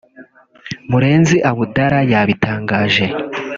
Murenzi Abdallah yabitangaje